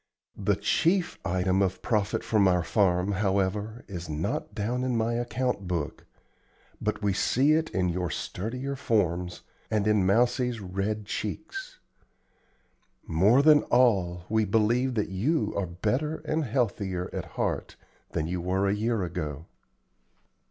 The chief item of profit from our farm, however, is not down in my account book, but we see it in your sturdier forms and in Mousie's red cheeks. More than all, we believe that you are better and healthier at heart than you were a year ago.